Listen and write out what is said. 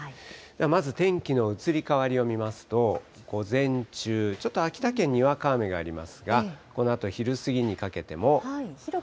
まず天気の移り変わりを見ますと、午前中、ちょっと秋田県、にわか雨がありますが、このあと昼過ぎにかけても。